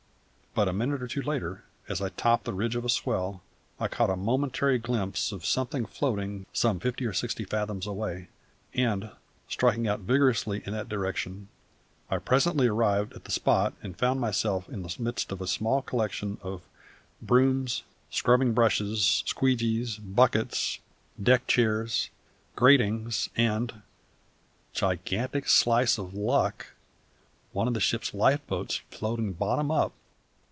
But a minute or two later, as I topped the ridge of a swell, I caught a momentary glimpse of something floating, some fifty or sixty fathoms away, and, striking out vigorously in that direction, I presently arrived at the spot and found myself in the midst of a small collection of brooms, scrubbing brushes, squeegees, buckets, deck chairs, gratings, and gigantic slice of luck! one of the ship's life boats floating bottom up!